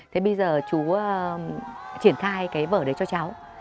thế bây giờ chú triển khai cái vở đấy cho cháu